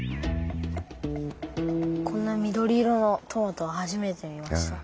こんな緑色のトマトは初めて見ました。